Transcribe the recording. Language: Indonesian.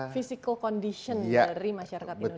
physical condition dari masyarakat indonesia